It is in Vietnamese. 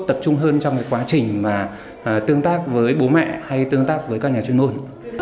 tập trung hơn trong quá trình mà tương tác với bố mẹ hay tương tác với các nhà chuyên môn